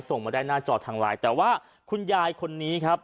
ส่งมาได้หน้าจอทางไลน์แต่ว่าคุณยายคนนี้ครับ